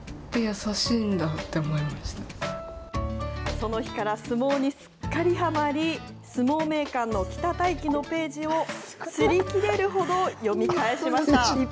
その日から相撲にすっかりはまり、相撲名鑑の北太樹のページをすり切れるほど読み返しました。